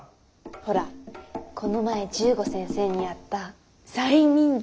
ほらこの前十五先生にやった催眠術。